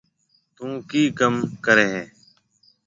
ٿُون ڪِي ڪوم ڪري هيَ۔